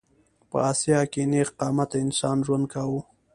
په اسیا کې نېغ قامته انسان ژوند کاوه.